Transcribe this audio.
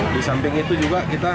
di samping itu juga kita